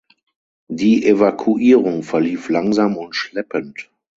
Die Evakuierung verlief langsam und schleppend.